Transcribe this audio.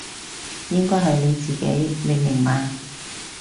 應該係你自己，你明嘛？